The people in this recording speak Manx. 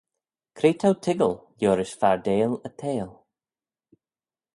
Cre t'ou toiggal liorish fardail y theihll?